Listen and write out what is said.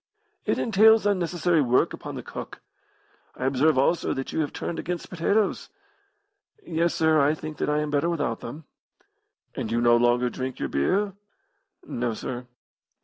"It entails unnecessary work upon the cook. I observe, also, that you have turned against potatoes." "Yes, sir; I think that I am better without them." "And you no longer drink your beer?" "No, sir."